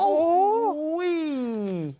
โอ้โห